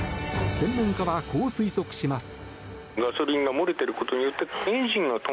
専門家はこう推測します。